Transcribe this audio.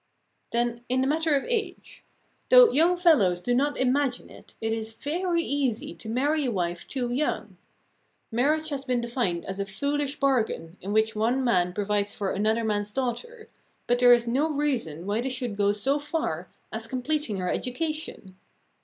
Then, in the matter of age; though young fellows do not imagine it, it is very easy to marry a wife too young. Marriage has been defined as a foolish bargain in which one man provides for another man's daughter, but there is no reason why this should go so far as completing her education.